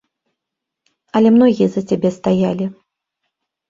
Але многія за цябе стаялі.